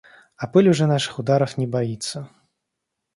А пыль уже наших ударов не боится.